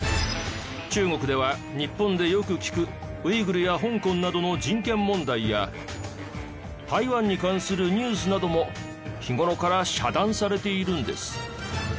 中国では日本でよく聞くウイグルや香港などの人権問題や台湾に関するニュースなども日頃から遮断されているんです。